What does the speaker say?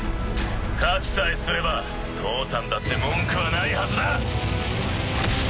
勝ちさえすれば父さんだって文句はないはずだ！